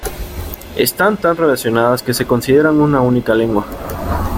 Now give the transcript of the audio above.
Están tan relacionadas que se consideran una única lengua.